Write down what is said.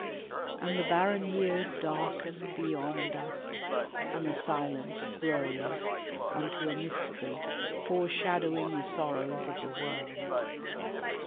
And the barren years Darken beyond us, and the silence grows Unto a mystery foreshadowing The sorrows of the world.